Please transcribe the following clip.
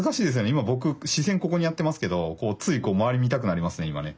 今僕視線ここにやってますけどつい周り見たくなりますね今ね。